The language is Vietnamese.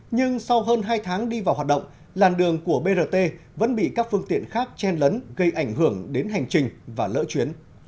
nhưng sau hơn hai tháng đi vào hoạt động làn đường của brt vẫn bị các phương tiện khác chen lấn gây ảnh hưởng đến hành trình và lỡ chuyến